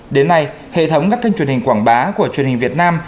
đến nay hệ thống các kênh truyền hình quảng bá của truyền hình việt nam